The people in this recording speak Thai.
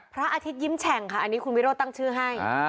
พระอาทิตยิ้มแฉ่งค่ะอันนี้คุณวิโรธตั้งชื่อให้